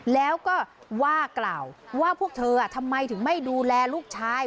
แล้วก็ว่ากล่าวว่าพวกเธอทำไมถึงไม่ดูแลลูกชาย